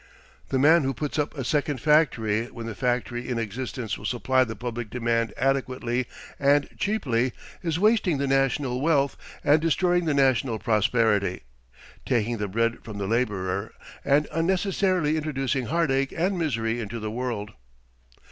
The man who puts up a second factory when the factory in existence will supply the public demand adequately and cheaply is wasting the national wealth and destroying the national prosperity, taking the bread from the labourer and unnecessarily introducing heartache and misery into the world.